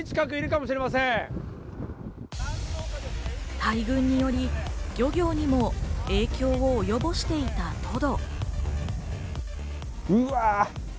大群により、漁業にも影響を及ぼしていたトド。